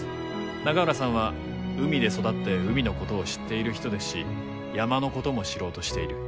永浦さんは海で育って海のことを知っている人ですし山のことも知ろうとしている。